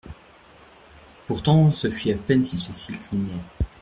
Pourtant, ce fut à peine si ses cils clignèrent.